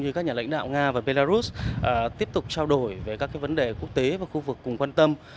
như các nhà lãnh đạo nga và belarus tiếp tục trao đổi về các vấn đề quốc tế và khu vực cùng quan tâm